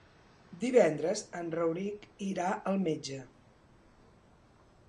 Divendres en Rauric irà al metge.